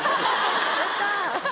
やった。